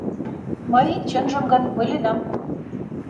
Мый, чынжым гын, ойленам.